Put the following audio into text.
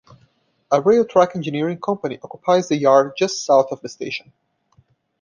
A rail track engineering company occupies the yard just south of the station.